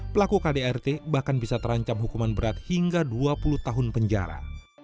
pelaku kdrt bahkan bisa terancam hukuman berat hingga dua puluh tahun penjara